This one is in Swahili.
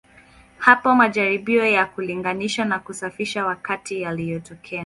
Hapo majaribio ya kulinganisha na kusafisha wakati yalitokea.